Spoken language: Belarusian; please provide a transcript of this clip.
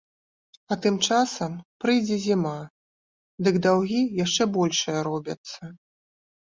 А тым часам прыйдзе зіма, дык даўгі яшчэ большыя робяцца.